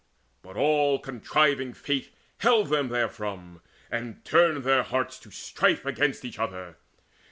But all contriving Fate Held them therefrom, and turned their hearts to strife Against each other.